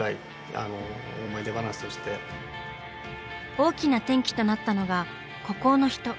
大きな転機となったのが「孤高の人」。